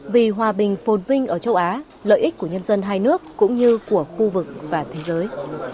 vì hòa bình phồn vinh ở châu á lợi ích của nhân dân hai nước cũng như của khu vực và thế giới